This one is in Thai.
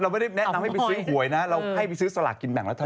ไม่ได้แนะนำให้ไปซื้อหวยนะเราให้ไปซื้อสลากกินแบ่งรัฐบาล